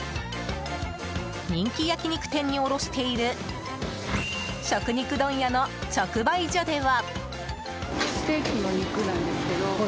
人気焼き肉店に卸している食肉問屋の直売所では。